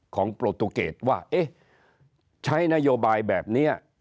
ของโปรตูเกตว่าเอ๊ะใช้นโยบายแบบนี้